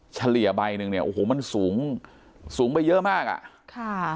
เฉลี่ยใบหนึ่งเนี่ยโอ้โหมันสูงสูงไปเยอะมากอ่ะค่ะ